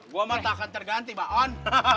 gue mantap akan terganti pak on